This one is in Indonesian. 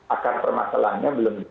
akar permasalahannya belum